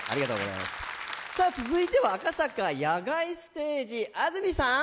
続いては赤坂野外ステージ、安住さん！